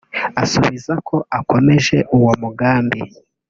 asubiza ko akomeje uwo mugambi